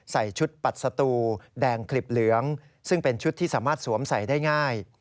ใส่ชุดปัดสตูแดงขลิบเหลืองซึ่งเป็นชุดที่สามารถสวมใส่ได้ง่าย